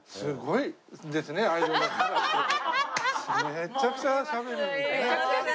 めちゃくちゃしゃべるんですね。